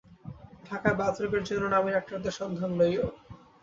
ঢাকায় বাত রোগের জন্য নামী ডাক্তারদের সন্ধান লইও।